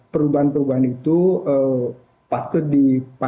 perubahan perubahan itu patut di